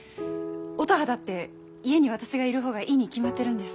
乙葉だって家に私がいるほうがいいに決まってるんです。